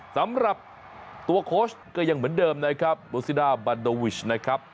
สำหรับตัวโค้ชก็ยังเหมือนเดิมนะครับโบซิดาบันโดวิชนะครับ